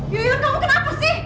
yuyut kamu kenapa sih